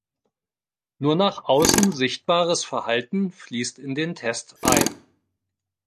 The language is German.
Nur nach außen sichtbares Verhalten fließt in den Test ein.